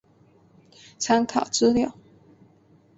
参考资料